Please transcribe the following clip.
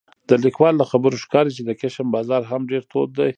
د لیکوال له خبرو ښکاري چې د کشم بازار هم ډېر تود دی